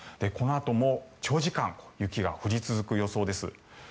このあとも長時間雪が降り続く予想です。